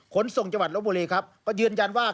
ขนส่งจังหวัดลบบุรีครับก็ยืนยันว่า